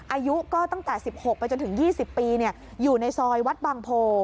อายุก็ตั้งแต่๑๖ไปจนถึง๒๐ปีอยู่ในซอยวัดบางโพ